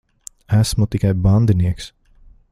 Esmu tikai bandinieks.